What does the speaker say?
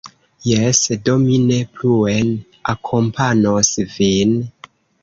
Jes, do mi ne pluen akompanos vin.